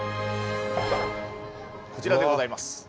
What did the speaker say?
こちらでございます。